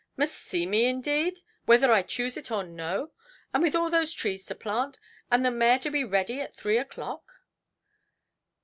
"Must see me, indeed, whether I choose it or no! And with all those trees to plant, and the mare to be ready at three oʼclock"!